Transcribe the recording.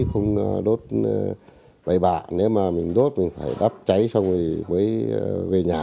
không đốt bài bạc nếu mà mình đốt mình phải đắp cháy xong rồi mới về nhà